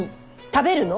食べるの？